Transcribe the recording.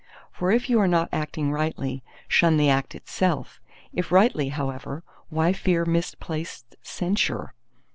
For if you are not acting rightly, shun the act itself; if rightly, however, why fear misplaced censure?